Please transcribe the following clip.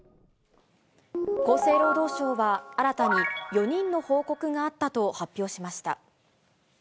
厚生労働省は、新たに４人の報告があったと発表しました。